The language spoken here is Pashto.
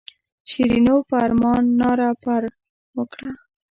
شیرینو په ارمان ناره پر وکړه.